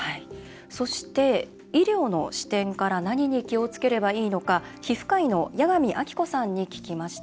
そして、医療の視点から何に気をつければいいのか皮膚科医の矢上晶子さんに聞きました。